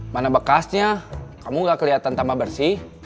mana bekasnya kamu gak kelihatan tambah bersih